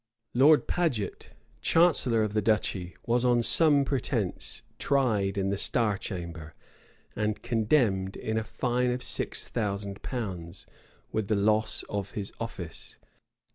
Lord Paget, chancellor of the duchy, was on some pretence tried in the star chamber, and condemned in a fine of six thousand pounds, with the loss of his office.